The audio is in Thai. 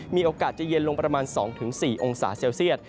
มีโอกาสจะเย็นลงประมาณ๒๔องศาเซลเซียต